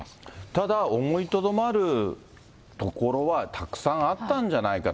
ただ、思いとどまるところはたくさんあったんじゃないかと。